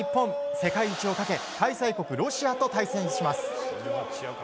世界一をかけ開催国ロシアと対戦します。